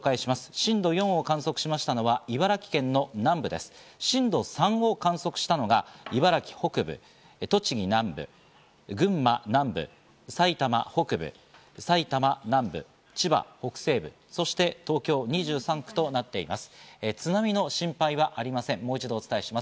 震度３を観測したのが茨城北部、栃木南部、群馬南部、埼玉北部、埼玉南部、千葉北西部、そして東京２３区となっています。